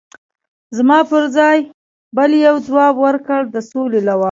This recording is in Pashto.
زما پر ځای بل یوه ځواب ورکړ: د سولې لوا.